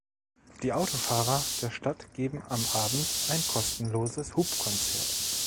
Die Autofahrer der Stadt geben am Abend ein kostenloses Hupkonzert.